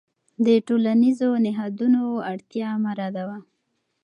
د ټولنیزو نهادونو اړتیا مه ردوه.